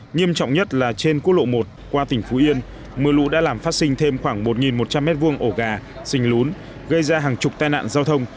nghiêm trọng nhất là trên quốc lộ một qua tỉnh phú yên mưa lũ đã làm phát sinh thêm khoảng một một trăm linh m hai ổ gà xình lún gây ra hàng chục tai nạn giao thông